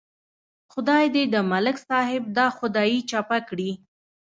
خدای دې د ملک صاحب دا خدایي چپه کړي.